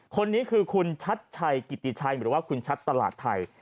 คนนี้คือคุณชัดชัยกิติชัยหรือว่าคุณชัดตลาดไทย